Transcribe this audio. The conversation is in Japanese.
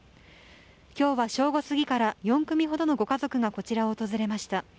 今日は正午過ぎから４組ほどのご家族がこちらを訪れました。